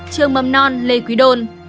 trường mâm non lê quý đôn